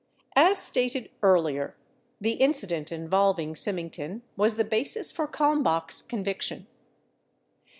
As stated earlier, the in cident involving Symington was the basis for Kalmbach's conviction.